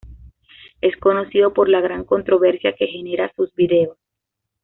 Es conocido por la gran controversia que generan sus vídeos.